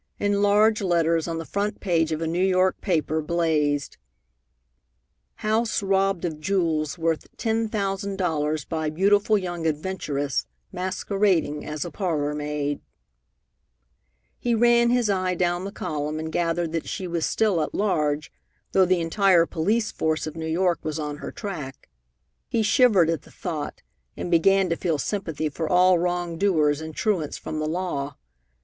In large letters on the front page of a New York paper blazed: HOUSE ROBBED OF JEWELS WORTH TEN THOUSAND DOLLARS BY BEAUTIFUL YOUNG ADVENTURESS MASQUERADING AS A PARLOR MAID He ran his eye down the column and gathered that she was still at large, though the entire police force of New York was on her track. He shivered at the thought, and began to feel sympathy for all wrong doers and truants from the law.